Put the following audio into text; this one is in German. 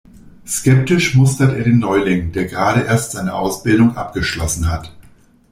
Skeptisch mustert er den Neuling, der gerade erst seine Ausbildung abgeschlossen hat.